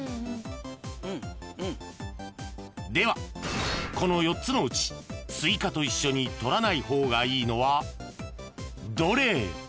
［ではこの４つのうちスイカと一緒にとらない方がいいのはどれ？］